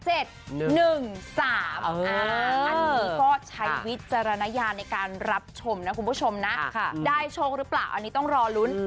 อันนี้ก็ใช้วิจารณญาณในการรับชมนะคุณผู้ชมนะได้โชคหรือเปล่าอันนี้ต้องรอลุ้น